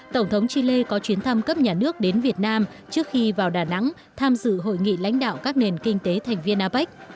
tổng thống chile có chuyến thăm cấp nhà nước đến việt nam trước khi vào đà nẵng tham dự hội nghị lãnh đạo các nền kinh tế thành viên apec